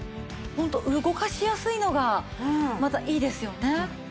ホント動かしやすいのがまたいいですよね。